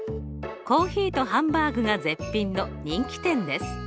コーヒーとハンバーグが絶品の人気店です。